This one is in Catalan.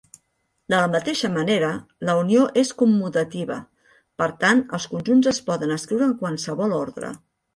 De la mateixa manera, la unió és commutativa, per tant els conjunts es poden escriure en qualsevol ordre.